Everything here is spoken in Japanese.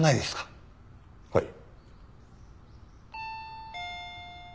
はい。